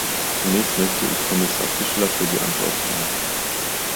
Zunächst möchte ich Kommissar Fischler für die Antworten danken.